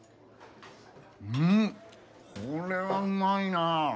んっこれはうまいなあ。